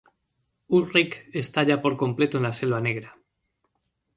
Ulrich está ya por completo en la Selva Negra.